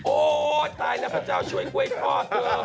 โอ้ตายก็พระเจ้าช่วยก๋วยทอดเดี๋ยว